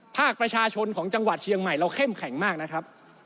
ภาคประชาชนของจังหวัดเชียงใหม่เราเข้มแข็งมากนะครับ